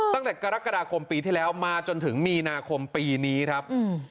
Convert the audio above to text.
ตั้งแต่กรกฎาคมปีที่แล้วมาจนถึงมีนาคมปีนี้ครับ